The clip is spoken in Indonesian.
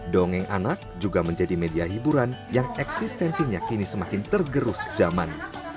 dongeng anak juga menjadi media hiburan yang eksistensinya kini semakin tergerus zaman